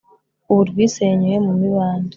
ubu rwisenyuye mu mibande,